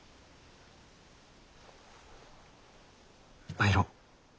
参ろう。